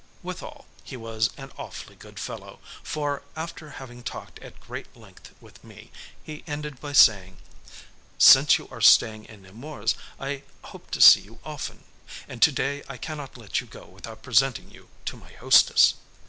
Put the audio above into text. Withal he was an awfully good fellow, for, after having talked at great length with me, he ended by saying, "Since you are staying in Nemours I hope to see you often, and to day I cannot let you go without presenting you to my hostess."